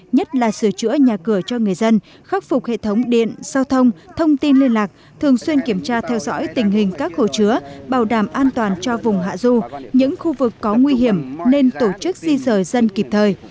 nhất là sửa chữa nhà cửa cho người dân khắc phục hệ thống điện giao thông thông tin liên lạc thường xuyên kiểm tra theo dõi tình hình các hồ chứa bảo đảm an toàn cho vùng hạ du những khu vực có nguy hiểm nên tổ chức di rời dân kịp thời